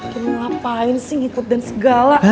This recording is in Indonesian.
kenapaan sih ngikut dan segala